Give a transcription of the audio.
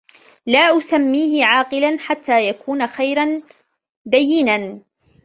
لَا أُسَمِّيهِ عَاقِلًا حَتَّى يَكُونَ خَيِّرًا دَيِّنًا